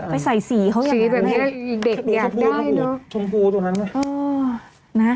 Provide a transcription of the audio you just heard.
ไปใส่สีเขาอย่างนั้นเลยสีแบบนี้เด็กอยากได้เนอะ